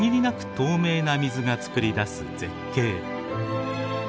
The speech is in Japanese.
透明な水が作り出す絶景。